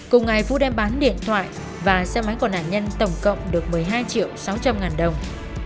cùng ngày phú đem bán điện thoại và xe máy của nạn nhân tổng cộng được một mươi hai triệu sáu trăm linh ngàn đồng